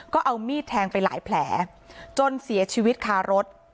ก็เอามีดแทงไปหลายแผลจนเสียชีวิตคารถ